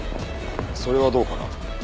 それはどうかな？